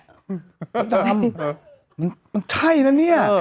คุณหมดดำมันใช่นะเนี่ย